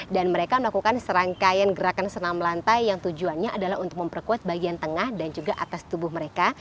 dan mereka melakukan serangkaian gerakan senam lantai yang tujuannya adalah untuk memperkuat bagian tengah dan juga atas tubuh mereka